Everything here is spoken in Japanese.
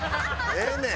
ええねん。